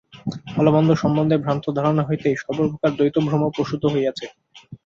ভাল-মন্দ সম্বন্ধে ভ্রান্ত ধারণা হইতেই সর্বপ্রকার দ্বৈত ভ্রম প্রসূত হইয়াছে।